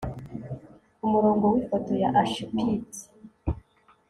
kumurongo wifoto ya ashpit